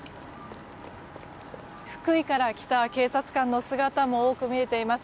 福井から来た警察官の姿も多く見えています。